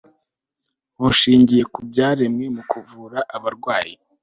bushingiye ku byaremwe mu kuvura abarwayi